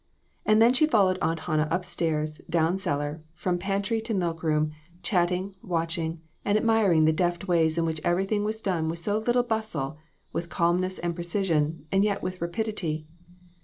And then she followed Aunt Hannah up stairs, down cellar, from pantry to milk room, chatting, watching and admiring the deft ways in which everything was done with so little bus tle, with calmness and precision, and yet with rapidity.